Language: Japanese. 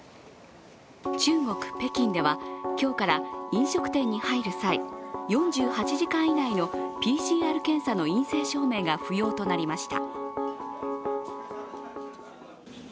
中国・北京では今日から飲食店に入る際４８時間以内のＰＣＲ検査の陰性証明が不要となりました。